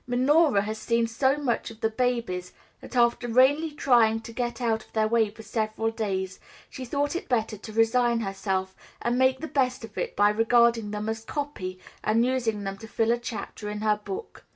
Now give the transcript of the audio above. Minora has seen so much of the babies that, after vainly trying to get out of their way for several days, she thought it better to resign herself, and make the best of it by regarding them as copy, and using them to fill a chapter in her book.